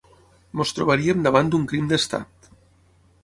Ens trobaríem davant d’un crim d’estat.